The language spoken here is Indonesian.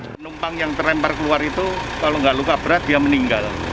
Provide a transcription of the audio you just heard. penumpang yang terlempar keluar itu kalau nggak luka berat dia meninggal